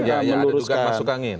ya ada juga masuk angin